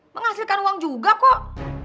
menghasilkan uang juga kok